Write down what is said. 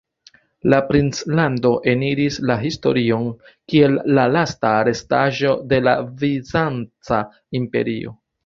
La princlando eniris la historion kiel la lasta restaĵo de la Bizanca Imperio.